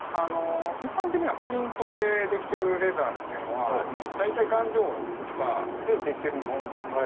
一般的なプリントでできてるレザーっていうのは大体顔料とかでできてるものが多いんですけど